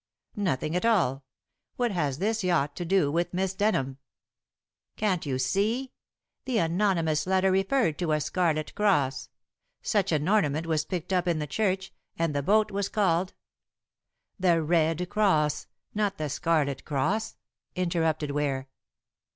"Nothing at all. What has this yacht to do with Miss Denham?" "Can't you see? The anonymous letter referred to a Scarlet Cross. Such an ornament was picked up in the church, and the boat was called " "The Red Cross not The Scarlet Cross," interrupted Ware.